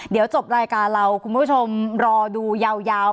เดี๋ยวจบรายการเราคุณผู้ชมรอดูยาว